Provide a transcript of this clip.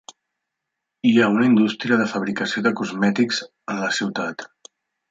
Hi ha una indústria de fabricació de cosmètics en la ciutat.